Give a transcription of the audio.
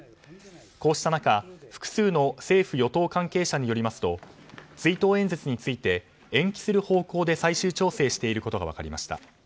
こうした中、複数の政府・与党関係者によりますと追悼演説について延期する方向で最終調整していることが分かりました。